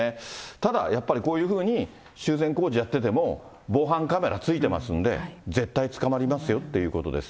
ただやっぱり、こういうふうに修繕工事やってても、防犯カメラついてますんで、絶対捕まりますよということです。